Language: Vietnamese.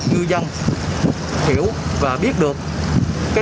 dư dân hiểu và biết được